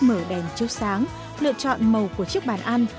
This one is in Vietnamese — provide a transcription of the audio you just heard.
mở đèn chiếu sáng lựa chọn màu của chiếc bàn ăn